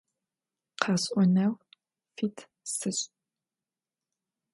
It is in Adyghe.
Къэсӏонэу фит сышӏ.